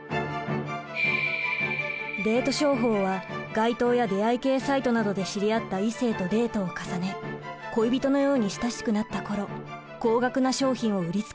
デート商法は街頭や出会い系サイトなどで知り合った異性とデートを重ね恋人のように親しくなった頃高額な商品を売りつけるものです。